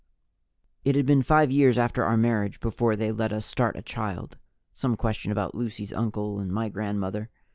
It had been five years after our marriage before they let us start a child: some question about Lucy's uncle and my grandmother.